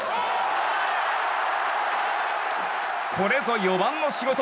これぞ４番の仕事！